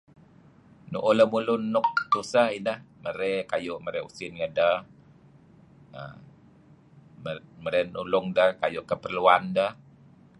Nuuh lemulun nuk tuseh marey usin ngedeh marey nulung deh nuk keperluan deh.